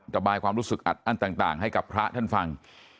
ระบายความรู้สึกอัดอั้นต่างให้กับพระท่านฟัง